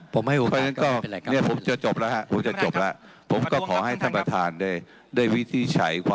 ผมก็อ้างข้อบังคับเช่นเดียวกัน